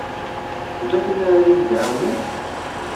Tella tin ara yi-d-iɛawnen?